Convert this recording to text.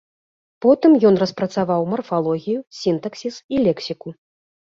Потым ён распрацаваў марфалогію, сінтаксіс і лексіку.